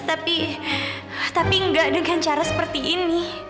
tapi tapi enggak dengan cara seperti ini